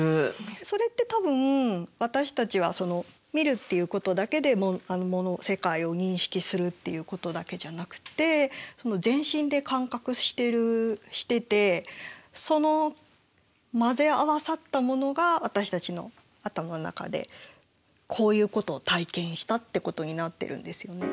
それって多分私たちは見るっていうことだけで世界を認識するっていうことだけじゃなくて全身で感覚しててその混ぜ合わさったものが私たちの頭の中でこういうことを体験したってことになってるんですよね。